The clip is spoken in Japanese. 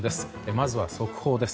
まずは速報です。